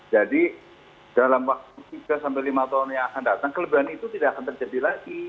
jadi dalam waktu tiga lima tahun yang akan datang kelebihan itu tidak akan terjadi lagi